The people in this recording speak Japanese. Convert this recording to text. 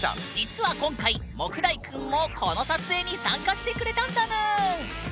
実は今回杢代くんもこの撮影に参加してくれたんだぬん。